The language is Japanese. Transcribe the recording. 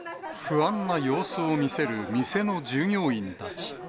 不安な様子を見せる店の従業員たち。